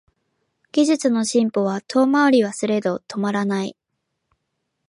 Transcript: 技術の進歩は遠回りはすれど止まらない